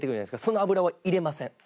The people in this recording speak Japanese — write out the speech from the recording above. その油は入れません。